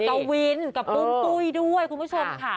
กวินกับปุ้มปุ้ยด้วยคุณผู้ชมค่ะ